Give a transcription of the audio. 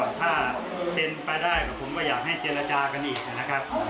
ถ้าเป็นไปได้ก็ผมก็อยากให้เจรจากันอีกนะครับ